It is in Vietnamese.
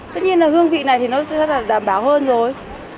tất nhiên là hương vị này thì nó rất là đảm bảo hơn rồi